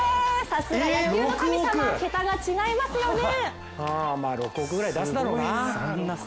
さすが野球の神様は桁が違いますよね。